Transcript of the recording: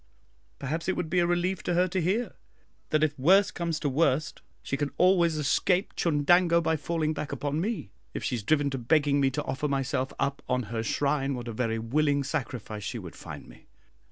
Perhaps it would be a relief to her to hear, that if worse comes to worst, she can always escape Chundango by falling back upon me. If she is driven to begging me to offer myself up on her shrine, what a very willing sacrifice she would find me!